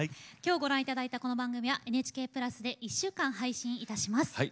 今日ご覧頂いたこの番組はＮＨＫ＋で１週間配信いたします。